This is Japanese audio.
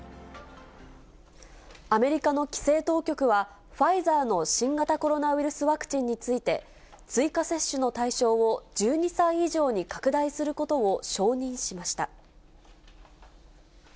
アメリカの規制当局は、ファイザーの新型コロナウイルスワクチンについて、追加接種の対象を１２歳以上に拡大することを承認しました。